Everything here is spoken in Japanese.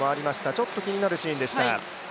ちょっと気になるシーンでした。